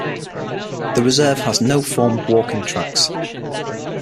The reserve has no formed walking tracks.